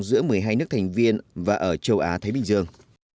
giữa một mươi hai nước thành viên và ở châu á thái bình dương